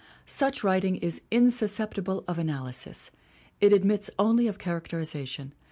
Such writing is insusceptible of analysis; it admits only of characterization.